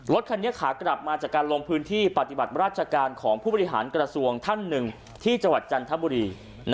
รถคันนี้ขากลับมาจากการลงพื้นที่ปฏิบัติราชการของผู้บริหารกระทรวงท่านหนึ่งที่จังหวัดจันทบุรี